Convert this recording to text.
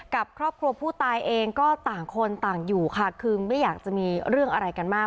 กับครอบครัวผู้ตายเองก็ต่างคนต่างอยู่ค่ะคือไม่อยากจะมีเรื่องอะไรกันมาก